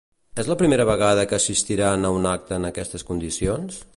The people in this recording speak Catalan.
És la primera vegada que assistiran a un acte en aquestes condicions?